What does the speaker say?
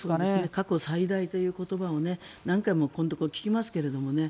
過去最大という言葉を何回もここのところ聞きますけどね